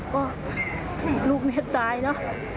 ก็ลูกแม่ตายเนอะ